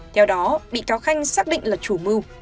theo đó bị cáo khanh xác định là chủ mưu